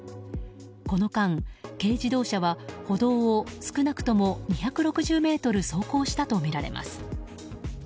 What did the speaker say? この間、軽自動車は歩道を少なくとも２６０ｍ走行したとみられます。